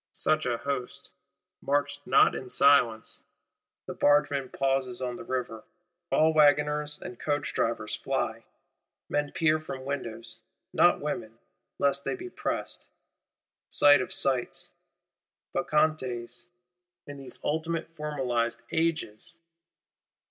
Such a host—marched not in silence! The bargeman pauses on the River; all wagoners and coachdrivers fly; men peer from windows,—not women, lest they be pressed. Sight of sights: Bacchantes, in these ultimate Formalized Ages!